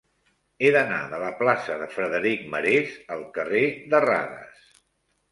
He d'anar de la plaça de Frederic Marès al carrer de Radas.